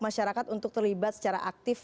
masyarakat untuk terlibat secara aktif